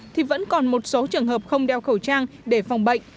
thì vẫn còn một số trường hợp không đeo khẩu trang để phòng bệnh